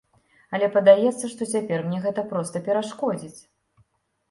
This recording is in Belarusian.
Але падаецца, што цяпер мне гэта проста перашкодзіць.